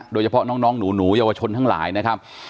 โดยเฉพาะน้องหนูเยาวชนทั้งหลายนะครับ